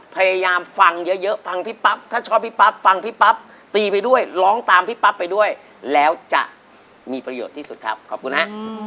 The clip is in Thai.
พยายามฟังเยอะฟังพี่ปั๊บถ้าชอบพี่ปั๊บฟังพี่ปั๊บตีไปด้วยร้องตามพี่ปั๊บไปด้วยแล้วจะมีประโยชน์ที่สุดครับขอบคุณฮะ